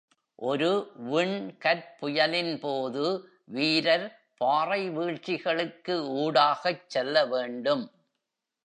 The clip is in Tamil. ஒரு விண்கற்புயலின்போது, வீரர் பாறை வீழ்ச்சிகளுக்கு ஊடாகச் செல்ல வேண்டும்.